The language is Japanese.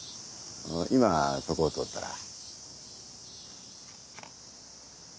今そこを通ったら。